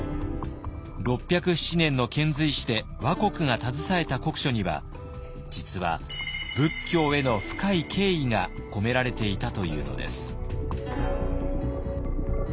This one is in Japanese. ６０７年の遣隋使で倭国が携えた国書には実は仏教への深い敬意が込められていたというのです。